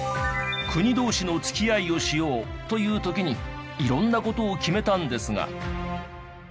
国同士の付き合いをしようという時に色んな事を決めたんですが。